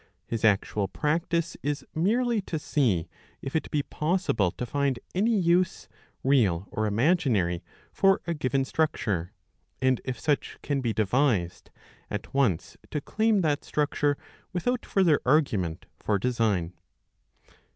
His actual practice is merely to see if it be possible to find any ^use. real or imaginary, for a given structure, and if such can be devised, at once to claim that structure, without further argument, for design.